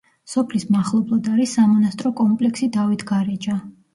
სოფლის მახლობლად არის სამონასტრო კომპლექსი დავითგარეჯა.